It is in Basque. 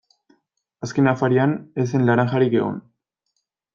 Azken afarian ez zen laranjarik egon.